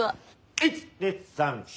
１２３４。